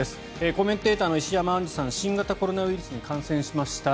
コメンテーターの石山アンジュさん新型コロナウイルスに感染しました。